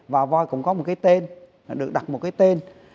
và voi cũng có một cái tên được đặt một cái tên